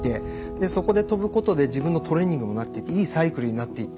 でそこで飛ぶことで自分のトレーニングにもなっていいサイクルになっていって。